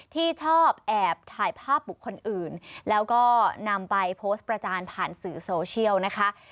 ที่ชอบแอบถ่ายภาพบุคคลอื่นแล้วก็นำไปโพสต์ประจานผ่านสื่อโซเชียลนะคะ